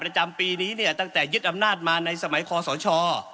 ประจำปีนี้เนี่ยตั้งแต่ยึดอำนาจมาในสมัยคอสช